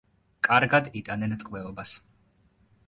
კარგად იტანენ ტყვეობას.